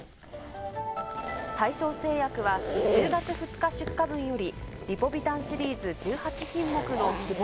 大正製薬は、１０月２日出荷分より、リポビタンシリーズ１８品目の希望